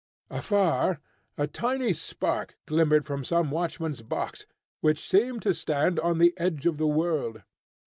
Afar, a tiny spark glimmered from some watchman's box, which seemed to stand on the edge of the world.